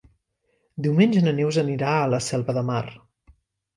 Diumenge na Neus anirà a la Selva de Mar.